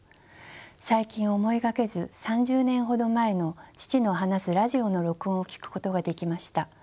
最近思いがけず３０年ほど前の父の話すラジオの録音を聴くことができました。